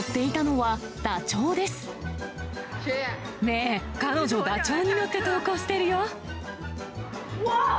ねえ、彼女、ダチョウに乗って登校してるよ。